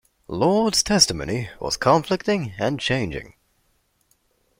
Lord's testimony was conflicting and changing.